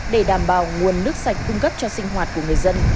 để đảm bảo nguồn nước sạch cung cấp cho sinh hoạt của người dân